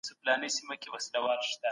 حکومتونه کله د ډیپلوماسۍ اصول کاروي؟